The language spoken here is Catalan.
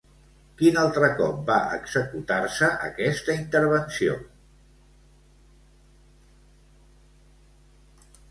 Quin altre cop va executar-se aquesta intervenció?